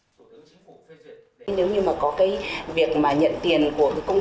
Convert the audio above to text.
cơ quan cấp có thẩm quyền thu hồi lại tuy nhiên thu hồi lại tuy nhiên thu hồi sẽ có thẩm quyền cho phép mua nhà